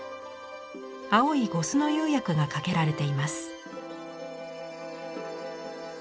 青い呉須の釉薬がかけられています。